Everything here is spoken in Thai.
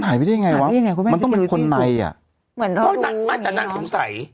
หายไปได้ยังไงคุณแม่มันต้องเป็นคนในอ่ะเหมือนน่าแต่นั่งสงสัย